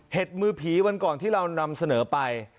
มือผีวันก่อนที่เรานำเสนอไป